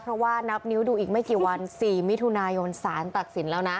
เพราะว่านับนิ้วดูอีกไม่กี่วัน๔มิถุนายนสารตัดสินแล้วนะ